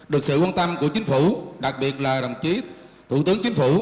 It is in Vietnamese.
được sự quan tâm của chính phủ đặc biệt là đồng chí thủ tướng chính phủ